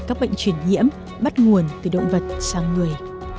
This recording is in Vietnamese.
các bệnh chuyển nhiễm bắt nguồn từ động vật sang người